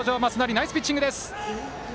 ナイスピッチングです。